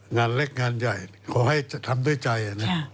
งานเล็กงานใหญ่ขอให้ทำด้วยใจนะ